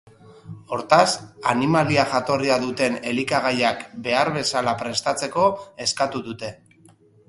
Hortaz, animalia-jatorria duten elikagaiak behar bezala prestatzeko eskatu dute.